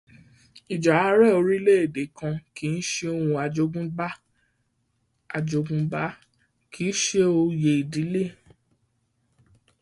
Ìjẹ́ ààrẹ orílẹ̀-èdè kan kìí ṣe ohun àjogúnbá, kii ṣe oyè ìdílé.